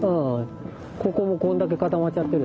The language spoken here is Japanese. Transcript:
ここもこんだけ固まっちゃってる。